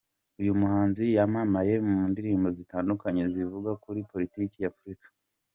Uyu muhanzi yamamaye mu ndirimbo zitandukanye zivuga kuri politiki ya Afurika.